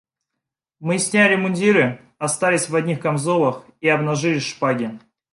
Мы сняли мундиры, остались в одних камзолах и обнажили шпаги.